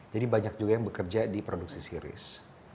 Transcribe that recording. jadi banyak juga yang bekerja di produksi series